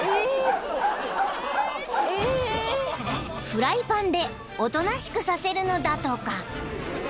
［フライパンでおとなしくさせるのだとか］